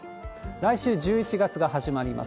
来週１１月が始まります。